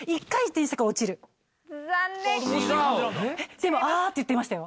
でも「あぁ」って言ってましたよ。